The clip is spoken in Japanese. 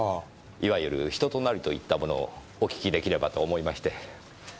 いわゆる人となりと言ったものをお訊き出来ればと思いまして。